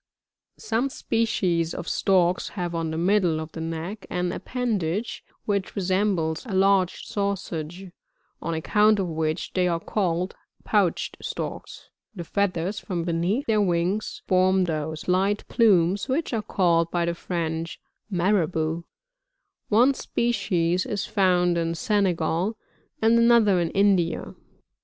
43. Some species of Storks have on the middle of the neck an appendage which resembles a large sausage, on account of which they are called, Pouched Storks; the feathers from beneath their wings form those light plumes which are called, by the French, Marabovs ; one species is found in Senegal, and another in India.